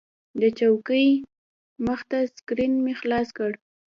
د چوکۍ مخې ته سکرین مې خلاص کړ.